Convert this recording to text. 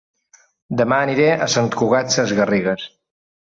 Dema aniré a Sant Cugat Sesgarrigues